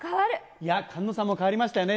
いや、菅野さんも変わりましたよね。